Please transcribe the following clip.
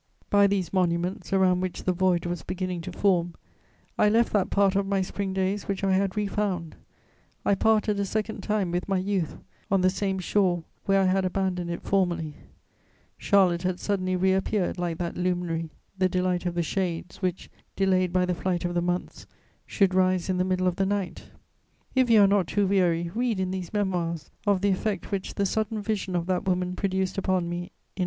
By these monuments, around which the void was beginning to form, I left that part of my spring days which I had re found; I parted a second time with my youth, on the same shore where I had abandoned it formerly: Charlotte had suddenly reappeared like that luminary, the delight of the shades, which, delayed by the flight of the months, should rise in the middle of the night. If you are not too weary, read in these Memoirs of the effect which the sudden vision of that woman produced upon me in 1822.